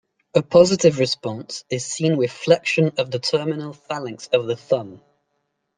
A positive response is seen with flexion of the terminal phalanx of the thumb.